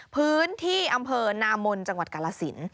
พื้นที่อำเภอนามนจังหวัดกาลสิน